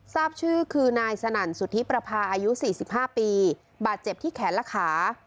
ทราบชื่อคือนายสนั่นสุธิปรภาอายุสี่สิบห้าปีบาดเจ็บที่แขนหลักขา